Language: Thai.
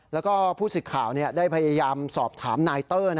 แล้วก็ผู้สิทธิ์ข่าวได้พยายามสอบถามนายเตอร์